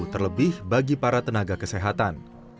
terlebih bagi para tenaga kesehatan